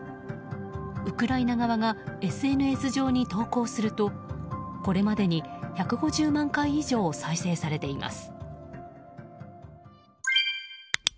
ウクライナ側がＳＮＳ上に投稿するとこれまでに１５０万回以上再生されています。